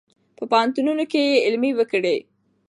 په پوهنتونونو کې یې علمي کړو.